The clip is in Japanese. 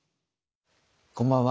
こんばんは。